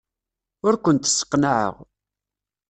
Ur kent-sseqnaɛeɣ.